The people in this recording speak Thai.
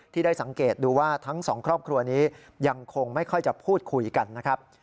ได้สังเกตดูว่าทั้งสองครอบครัวนี้ยังคงไม่ค่อยจะพูดคุยกันนะครับ